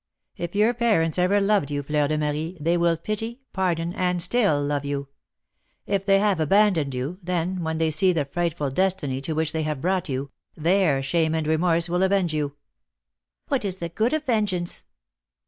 "If your parents ever loved you, Fleur de Marie, they will pity, pardon, and still love you. If they have abandoned you, then, when they see the frightful destiny to which they have brought you, their shame and remorse will avenge you." "What is the good of vengeance?"